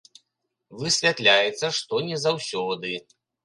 Высвятляецца, што не заўсёды.